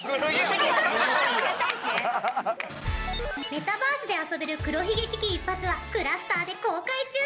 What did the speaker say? メタバースで遊べる「黒ひげ危機一発」はｃｌｕｓｔｅｒで公開中。